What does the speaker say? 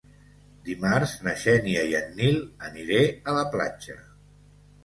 Dimarts na Xènia i en Nil aniré a la platja.